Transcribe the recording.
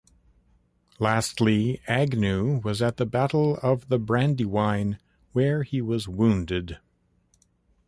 Lastly, Agnew was at the Battle of the Brandywine, where he was wounded.